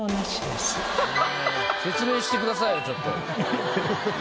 説明してくださいよちょっと。